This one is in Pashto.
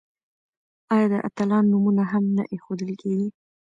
آیا د اتلانو نومونه هم نه ایښودل کیږي؟